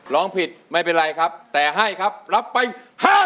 ร้องผิดไม่เป็นไรครับแต่ให้ครับรับไป๕๐๐๐